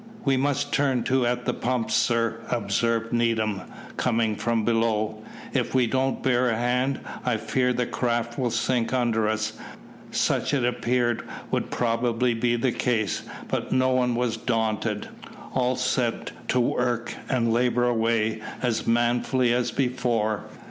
"We must turn to at the pumps, sir," observed Needham, coming from below. "If we don't bear a hand, I fear the craft will sink under us." Such it appeared would probably be the case, but no one was daunted. All set to work and laboured away as manfully as before.